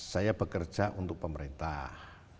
saya bekerja untuk pemerintah